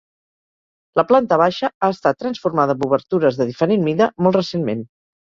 La planta baixa ha estat transformada amb obertures de diferent mida, molt recentment.